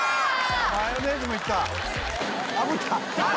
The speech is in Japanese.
「マヨネーズもいった」